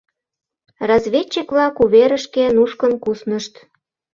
Разведчик-влак у верышке нушкын куснышт.